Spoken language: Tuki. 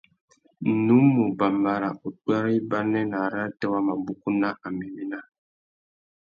Nnú mù bambara upwê râ ibanê nà arrātê wa mabukú nà améména.